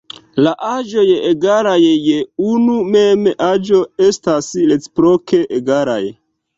La aĵoj egalaj je unu mem aĵo estas reciproke egalaj.